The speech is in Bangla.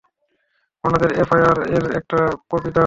উনাদের এফআইআর-এর একটা কপি দাও।